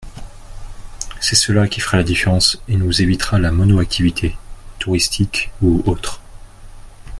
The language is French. C’est cela qui fera la différence et nous évitera la mono-activité, touristique ou autre.